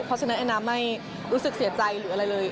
เพราะฉะนั้นแอนนาไม่รู้สึกเสียใจหรืออะไรเลย